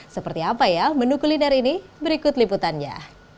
seperti apa ya menu kuliner ini berikut liputannya